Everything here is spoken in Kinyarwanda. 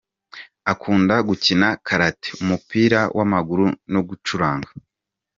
Akunda gukina karate, umupira w’amaguru no gucuranga.